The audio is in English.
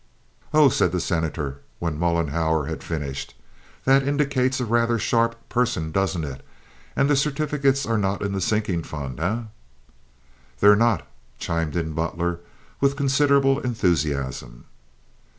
"Oh," said the Senator, when Mollenhauer had finished, "that indicates a rather sharp person, doesn't it? And the certificates are not in the sinking fund, eh?" "They're not," chimed in Butler, with considerable enthusiasm.